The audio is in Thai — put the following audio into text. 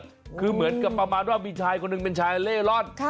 คือเหมือนกับประมาณว่ามีชายคนหนึ่งเป็นชายเล่ร่อน